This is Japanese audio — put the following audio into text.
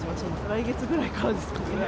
来月ぐらいからですかね。